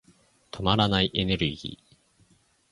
止まらないエネルギー。